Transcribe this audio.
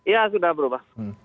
ya sudah berubah